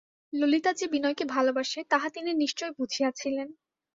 ললিতা যে বিনয়কে ভালোবাসে তাহা তিনি নিশ্চয় বুঝিয়াছিলেন।